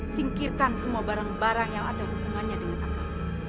singkirkan semua barang barang yang ada hubungannya dengan agama